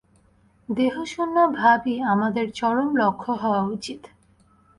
দেহশূন্য-ভাবই আমাদের চরম লক্ষ্য হওয়া উচিত।